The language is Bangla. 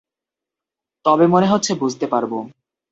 তবে মনে হচ্ছে বুঝতে পারব।